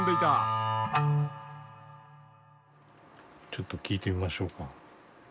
ちょっと聴いてみましょうか。